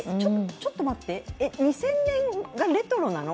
ちょっと待って、２０００年がレトロなの？